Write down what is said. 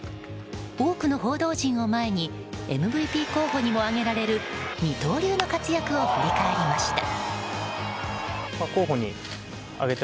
多くの報道陣を前にＭＶＰ候補にも挙げられる二刀流の活躍を振り返りました。